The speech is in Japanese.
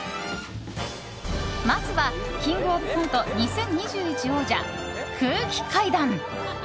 まずは「キングオブコント２０２１」王者、空気階段。